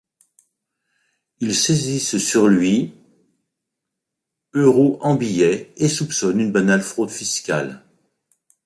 Ils saisissent sur lui euros en billets et soupçonnent une banale fraude fiscale.